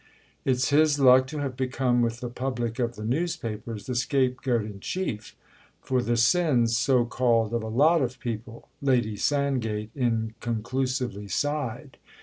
"It's his luck to have become with the public of the newspapers the scapegoat in chief: for the sins, so called, of a lot of people!" Lady Sandgate inconclusively sighed.